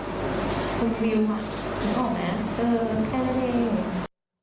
นึกออกไหมเออแค่นี้